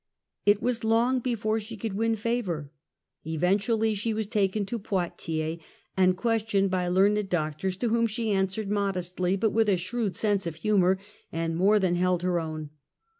It was long before she could win favour. Eventually she was taken to Poitiers and questioned by learned doctors, to whom she answered modestly but with a shrewd sense of humour, and more than held her own.